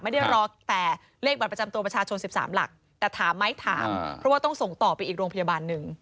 ไม่ได้รอแต่เลขบัตรประจำตัวประชาชน๑๓หลักแต่ถามไหมถามเพราะว่าต้องส่งต่อไปอีกโรงพยาบาลหนึ่ง